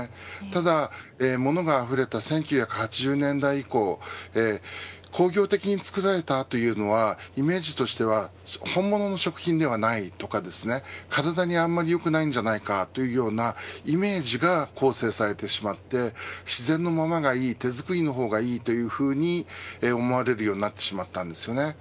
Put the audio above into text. ただ、物があふれた１９８０年代以降工業的に作られたというのはイメージとしては本物の食品ではないとか体にあまり良くないんじゃないかというようなイメージが構成されてしまって自然のままがいい手作りの方がいいというふうに思われるようになってしまいました。